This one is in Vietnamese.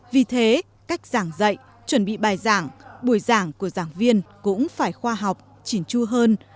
vì thế cách giảng dạy chuẩn bị bài giảng buổi giảng của giảng viên cũng phải khoa học chỉn chu hơn